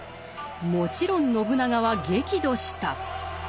もちろん信長は激怒した。